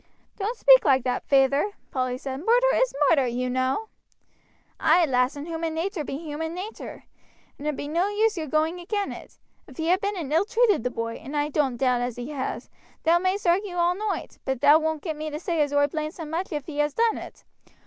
"Don't speak like that, feyther," Polly said; "murder is murder, you know." "Ay, lass, and human natur be human natur, and it be no use your going agin it. If he ha been and ill treated the boy, and I don't doubt as he has, thou may'st argue all noight, but thou won't get me to say as oi blames him much if he has done it.